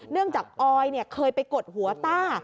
เนื่องจากออยเคยไปกดหัวต้า